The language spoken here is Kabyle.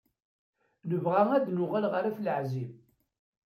Nebɣa ad d-nuɣal ɣer At Leɛzib.